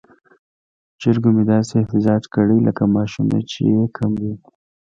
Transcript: چرګو مې داسې احتجاج کړی لکه معاشونه یې چې کم وي.